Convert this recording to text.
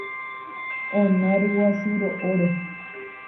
ona ryguasu ro'óre